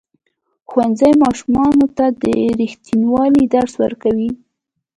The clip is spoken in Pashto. ښوونځی ماشومانو ته د ریښتینولۍ درس ورکوي.